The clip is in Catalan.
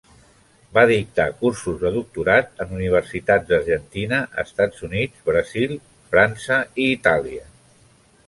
Va dictar cursos de doctorat en Universitats d'Argentina, Estats Units, Brasil i França i Itàlia.